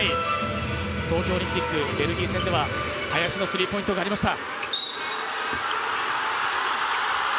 東京オリンピック、ベルギー戦では林のスリーポイントがありました。